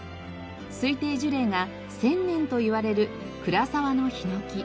推定樹齢が１０００年といわれる倉沢のヒノキ。